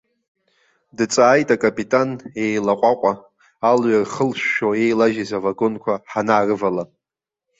Дҵааит акапитан, еилаҟәаҟәа, алҩа рхылшәшәо еилажьыз авагонқәа ҳанаарывала.